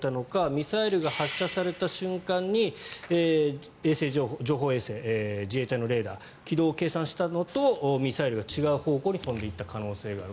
ミサイルが発射された瞬間に情報衛星、自衛隊のレーダーで軌道を計算したのとミサイルが違う方向に飛んでいった可能性がある。